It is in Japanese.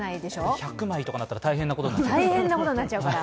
１００枚とかなったら大変なことになっちゃう。